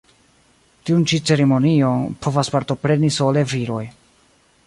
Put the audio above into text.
Tiun ĉi ceremonion povas partopreni sole viroj.